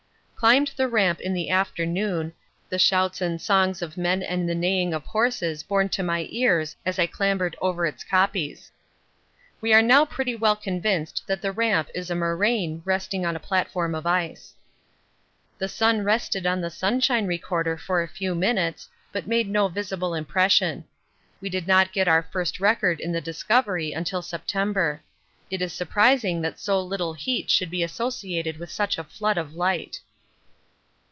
Climbed the Ramp in the afternoon, the shouts and songs of men and the neighing of horses borne to my ears as I clambered over its kopjes. We are now pretty well convinced that the Ramp is a moraine resting on a platform of ice. The sun rested on the sunshine recorder for a few minutes, but made no visible impression. We did not get our first record in the Discovery until September. It is surprising that so little heat should be associated with such a flood of light.